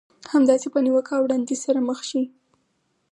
همداسې په نيوکه او وړانديز سره مخ شئ.